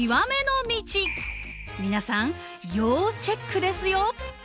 皆さん要チェックですよ。